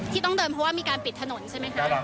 ที่ต้องเดินเพราะว่ามีการปิดถนนใช่ไหมคะ